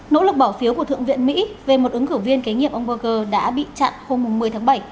nỗ lực bỏ phiếu của thượng viện mỹ về một ứng cử viên kế nhiệm ông bogle đã bị chặn hôm một mươi tháng bảy